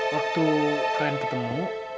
waktu kalian ketemu